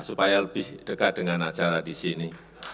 supaya lebih dekat dengan acara di sini